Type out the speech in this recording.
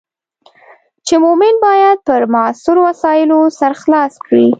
چې مومن باید پر معاصرو مسایلو سر خلاص کړي.